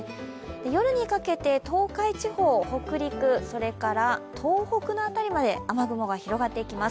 夜にかけて東海地方北陸、東北の辺りまで雨雲が広がっていきます。